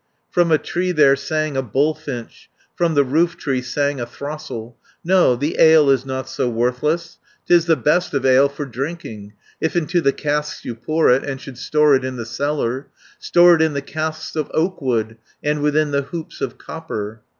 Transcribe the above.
"From a tree there sang a bullfinch. From the roof tree sang a throstle, 'No, the ale is not so worthless; 'Tis the best of ale for drinking; 410 If into the casks you pour it, And should store it in the cellar, Store it in the casks of oakwood, And within the hoops of copper.'